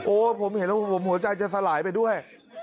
โอ้โหผมเห็นแล้วผมหัวใจจะสลายไปด้วย